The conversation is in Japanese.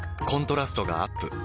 コントラストがアップ。